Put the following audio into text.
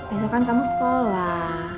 esok kan kamu sekolah